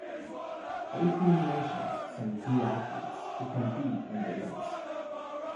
Eighteen nations sent biathletes to compete in the events.